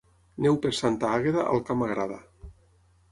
Neu per Santa Àgueda, al camp agrada.